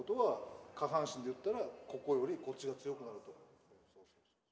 下半身で言ったらここよりこっちが強くなると。